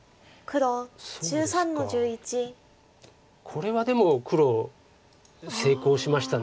これはでも黒成功しました。